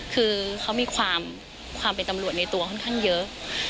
คือเขามีความเป็นตำรวจในตัวค่อนข้างเยอะ